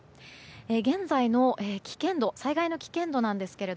現在の災害の危険度です。